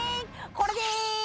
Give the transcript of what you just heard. これでーす！